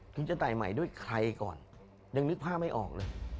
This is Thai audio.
ถึงจะใส่ใหม่ด้วยใครก่อนยังนึกภาพไม่ออกเลย